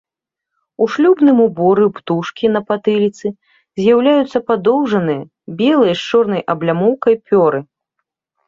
У шлюбным уборы ў птушкі на патыліцы з'яўляюцца падоўжаныя, белыя з чорнай аблямоўкай пёры.